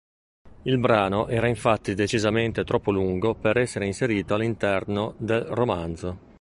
Il brano era infatti decisamente troppo lungo per essere inserito all'interno del romanzo.